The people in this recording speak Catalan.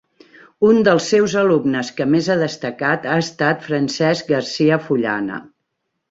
Un dels seus alumnes que més ha destacat ha estat Francesc Garcia Fullana.